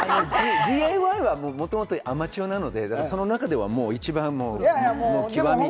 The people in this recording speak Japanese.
ＤＩＹはもともとアマチュアなので、その中では一番極み。